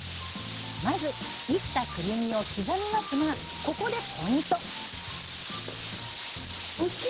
まずいったくるみを刻みますがここでポイント！